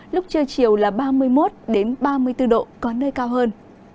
lúc trưa chiều là ba mươi một ba mươi bốn độ có nơi cao hơn